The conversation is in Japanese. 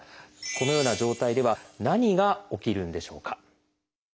このような状態では何が起きるんでしょうか？